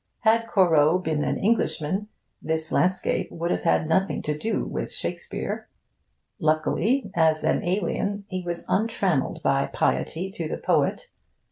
Had Corot been an Englishman, this landscape would have had nothing to do with Shakespeare. Luckily, as an alien, he was untrammelled by piety to the poet.